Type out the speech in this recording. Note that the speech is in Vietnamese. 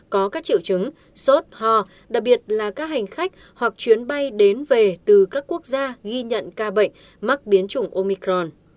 có các triệu chứng sốt ho đặc biệt là các hành khách hoặc chuyến bay đến về từ các quốc gia ghi nhận ca bệnh mắc biến chủng omicron